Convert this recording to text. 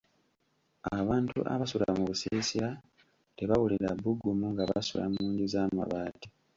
Abantu abasula mu busiisira tebawulira bbugumu nga basula mu nju z'amabbaati.